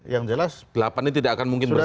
yang jelas sudah tidak akan mungkin bersama